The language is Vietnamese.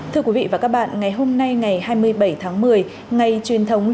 thưa quý vị và các bạn ngày hôm nay ngày hai mươi bảy tháng một mươi